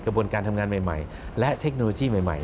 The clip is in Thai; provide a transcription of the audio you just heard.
กระบวนการทำงานใหม่และเทคโนโลยีใหม่